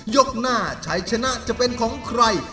ยกหน้าชัยชนะจะเป็นของใคร